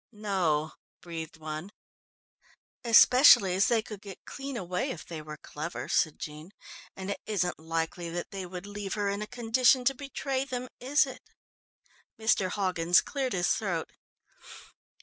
"No," breathed one. "Especially as they could get clean away if they were clever," said Jean, "and it isn't likely that they would leave her in a condition to betray them, is it?" Mr. Hoggins cleared his throat.